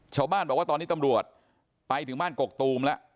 ชาวบ้านบอกว่าตอนนี้ตำรวจไปถึงบ้านกกตูมแล้ว